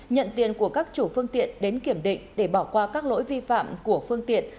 nhận tiền của các chủ phương tiện đến kiểm định để bỏ qua các lỗi vi phạm của phương tiện